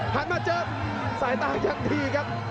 หันมาเจิบสายตายังทีครับ